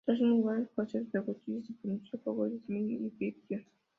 Tras un largo proceso, la justicia se pronunció a favor de Smith y Fiction.